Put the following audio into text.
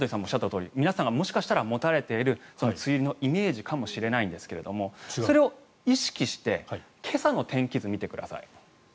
とおり皆さんが持たれている梅雨入りのイメージかもしれないんですがそれを意識して今朝の天気図を見てください。